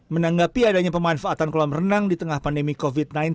menanggapi adanya pemanfaatan kolam renang di tengah pandemi covid sembilan belas